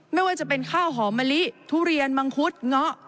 ไม่ว่าจะเป็นข้าวหอมมะลิทุเรียนมังคุดเงาะ